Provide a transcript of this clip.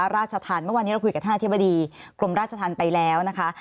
ราชธรรมเมื่อวานนี้เราคุยกับท่านอธิบดีกรมราชธรรมไปแล้วนะคะ